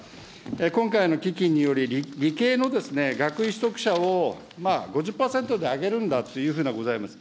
今回の基金により、理系の学位取得者を５０％で上げるんだというふうでございます。